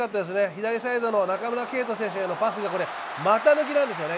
左サイドの中村敬斗選手へこれ股抜きなんですよね。